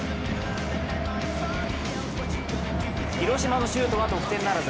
広島のシュートは得点ならず。